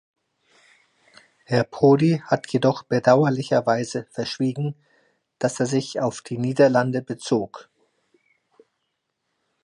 Herr Prodi hat jedoch bedauerlicherweise verschwiegen, dass er sich auf die Niederlande bezog.